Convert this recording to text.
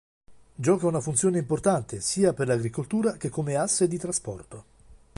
Gioca una funzione importante sia per l'agricoltura che come asse di trasporto.